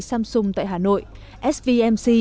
samsung tại hà nội svmc